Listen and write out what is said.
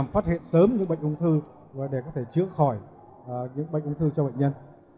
phát hiện sớm những bệnh ung thư và để có thể chữa khỏi những bệnh ung thư cho bệnh nhân